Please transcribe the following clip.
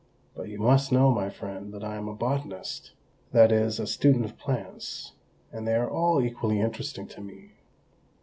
But you must know, my friend, that I am a botanist that is, a student of plants and they are all equally interesting to me."